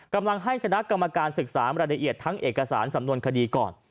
กำลังให้คณะกรรมการศึกษารายละเอียดทั้งเอกสารสำนวนคดีก่อน